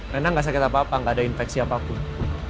rena gak sakit apa apa gak ada infeksi apapun